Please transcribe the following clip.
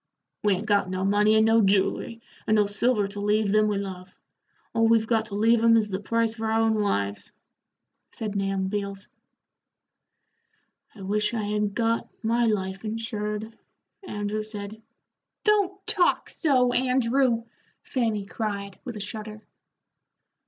"We ain't got no money and no jewelry, and no silver to leave them we love all we've got to leave 'em is the price of our own lives," said Nahum Beals. "I wish I had got my life insured," Andrew said. "Don't talk so, Andrew," Fanny cried, with a shudder.